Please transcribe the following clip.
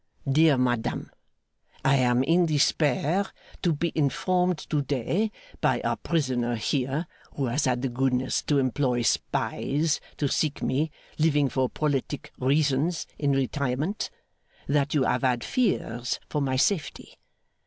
'Dear Madam, 'I am in despair to be informed to day by our prisoner here (who has had the goodness to employ spies to seek me, living for politic reasons in retirement), that you have had fears for my safety.